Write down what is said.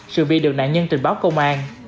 sự bị được nạn nhân trình báo công an